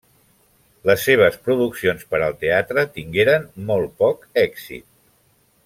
Les seves produccions per al teatre tingueren molt poc èxit.